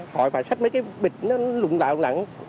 khỏi phải xách mấy cái bịch lụng lại lụng lẳng